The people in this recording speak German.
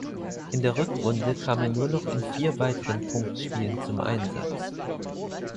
In der Rückrunde kam er nur noch in vier weiteren Punktspielen zum Einsatz.